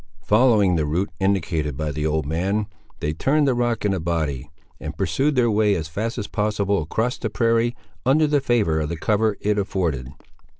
Following the route indicated by the old man, they turned the rock in a body, and pursued their way as fast as possible across the prairie, under the favour of the cover it afforded.